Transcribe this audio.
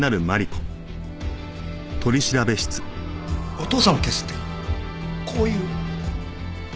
お父さんを消すってこういう？